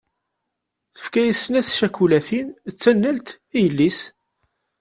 Tefka-as snat tcakulatin d tanalt i yelli-s.